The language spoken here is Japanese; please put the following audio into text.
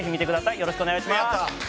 よろしくお願いします。